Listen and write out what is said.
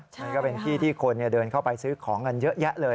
มันก็เป็นที่ที่คนเดินเข้าไปซื้อของกันเยอะแยะเลย